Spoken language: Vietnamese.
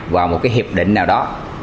vào một cái hiệp định nào đó